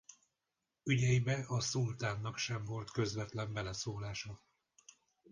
Ügyeibe a szultánnak sem volt közvetlen beleszólása.